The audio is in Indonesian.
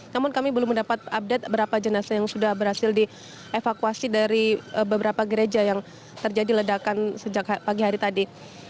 namun kami belum mendapat update berapa jenazah yang sudah berhasil dievakuasi dari beberapa gereja yang terjadi ledakan sejak pagi hari tadi